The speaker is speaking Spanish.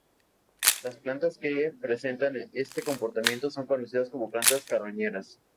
Las plantas que presentan este comportamiento son conocidas como plantas carroñeras.